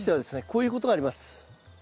こういうことがあります。